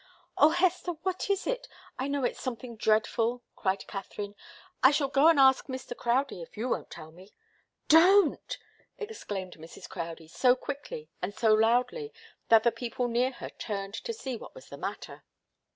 "Oh, Hester! What is it? I know it's something dreadful!" cried Katharine. "I shall go and ask Mr. Crowdie if you won't tell me." "Don't!" exclaimed Mrs. Crowdie, so quickly and so loudly that the people near her turned to see what was the matter.